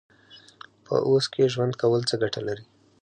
په اوس کې ژوند کول څه ګټه لري؟